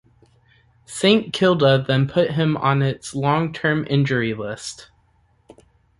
Saint Kilda then put him on its long-term injury list.